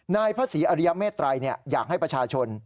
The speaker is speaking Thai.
นายพระศรีอาริยะเมตรัยเนี่ยอยากให้ประชาชน